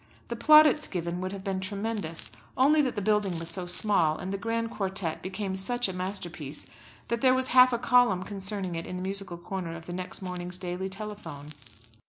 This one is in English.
The plaudits given would have been tremendous only that the building was so small, and the grand quartette became such a masterpiece that there was half a column concerning it in the musical corner of the next morning's Daily Telephone.